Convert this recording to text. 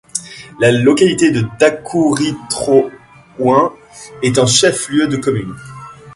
La localité de Dakouritrohoin est un chef-lieu de commune.